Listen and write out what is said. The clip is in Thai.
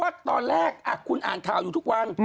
ตอนแรกคุณอ่านข่าวอยู่ทุกวัน